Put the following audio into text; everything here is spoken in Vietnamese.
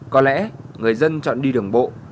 có lẽ người dân chọn đi đường bộ